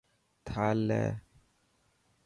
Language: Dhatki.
ٿال لي .